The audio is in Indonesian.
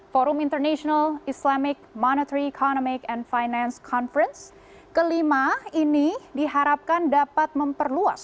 forum international islamic monetary economic and finance conference kelima ini diharapkan dapat memperluas